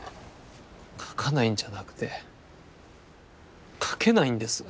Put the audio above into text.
書かないんじゃなくて書けないんです。